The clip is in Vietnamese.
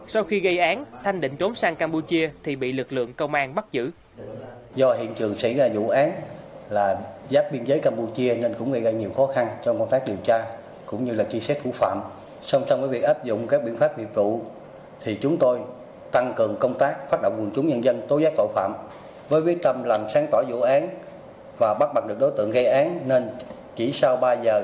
sau khi gây án thanh định trốn sang campuchia thì bị lực lượng công an bắt giữ